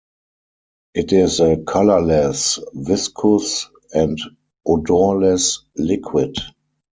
It is a colorless, viscous and odorless liquid.